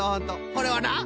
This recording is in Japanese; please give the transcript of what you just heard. これはな